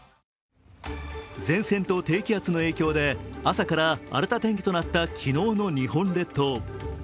前線と低気圧の影響で朝から荒れた天気となった昨日の日本列島。